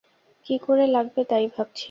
কী করে লাগবে তাই ভাবছি।